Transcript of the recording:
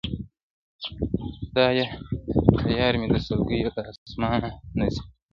خدایه تیارې مي د سلګیو له اسمانه نه ځي -